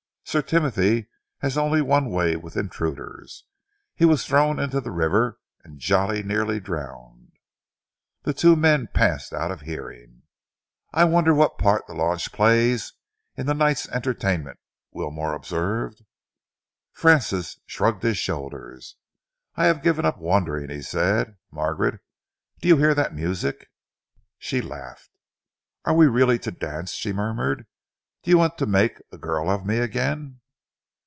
"Sir Timothy has only one way with intruders. He was thrown into the river and jolly nearly drowned." The two men passed out of hearing. "I wonder what part the launch plays in the night's entertainment," Wilmore observed. Francis shrugged his shoulders. "I have given up wondering," he said. "Margaret, do you hear that music?" She laughed. "Are we really to dance?" she murmured. "Do you want to make a girl of me again?"